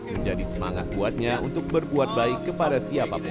menjadi semangat buatnya untuk berbuat baik kepada siapapun